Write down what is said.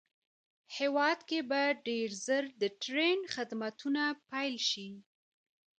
هېواد کې به ډېر زر د ټرېن خدمتونه پېل شي